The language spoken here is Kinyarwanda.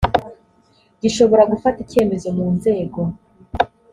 gishobora gufata icyemezo mu nzego